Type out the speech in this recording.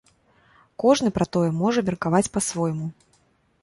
Кожны пра тое можа меркаваць па-свойму.